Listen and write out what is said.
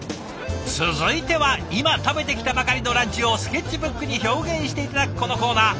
続いては今食べてきたばかりのランチをスケッチブックに表現して頂くこのコーナー。